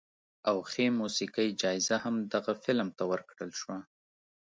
او ښې موسیقۍ جایزه هم دغه فلم ته ورکړل شوه.